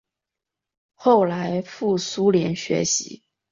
后来转赴苏联学习。